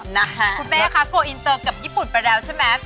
นะฮะนะฮะคุณแม่คะกูอินเจอกับญี่ปุ่นไปแล้วใช่ไหม